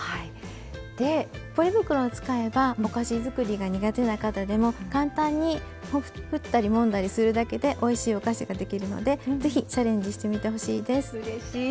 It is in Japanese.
ポリ袋を使えばお菓子づくりが苦手な方でも簡単に振ったりもんだりするだけでおいしいお菓子ができるのでぜひ、チャレンジしてみてほしいです。